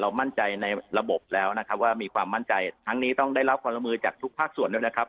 มั่นใจในระบบแล้วนะครับว่ามีความมั่นใจทั้งนี้ต้องได้รับความร่วมมือจากทุกภาคส่วนด้วยนะครับ